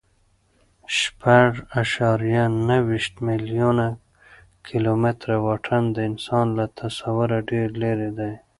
شپږ اعشاریه نهه ویشت میلیونه کیلومتره واټن د انسان له تصوره ډېر لیرې دی.